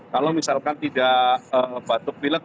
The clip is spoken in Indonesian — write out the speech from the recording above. kalau misalkan tidak batuk pilek